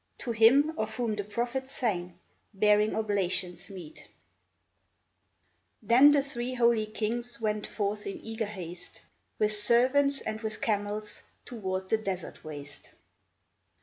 To Him of whom the prophets sang Bearing oblations meet !" Then the Three Holy Kings Went forth in eager haste. With servants and with camels, Toward the desert waste.